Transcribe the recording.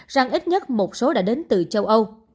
rằng ít nhất một số đã đến từ châu âu